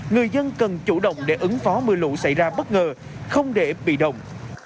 người dân cần chủ động để ứng phó mưa lũ xảy ra bất ngờ không để bị động